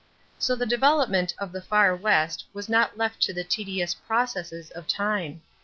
So the development of the Far West was not left to the tedious processes of time.